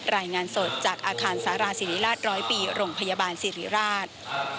รายงานสดจากอาคารสารสิริราช๑๐๐ปีโรงพยาบาลสิริราช